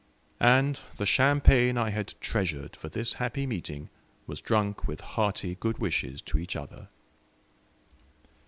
And the champagne I had treasured for this happy meeting was drunk with hearty good wishes to each other.